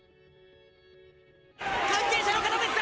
関係者の方ですか！？